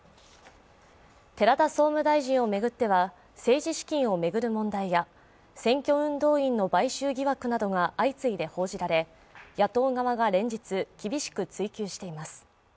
寺田総務大臣を巡っては、政治資金を巡る問題や選挙運動員の買収疑惑などが相次いで報じられ、野党側が連日厳しく追及しています。